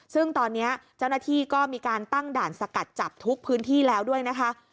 ซึ่งตอนนี้เจ้าหน้าที่ก็มีการตั้งด่านสกัดจับทุกพื้นที่แล้วด้วยนะคะ